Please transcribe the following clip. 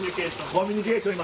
コミュニケーション